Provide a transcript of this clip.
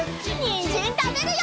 にんじんたべるよ！